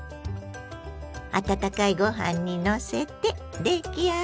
温かいご飯にのせて出来上がり。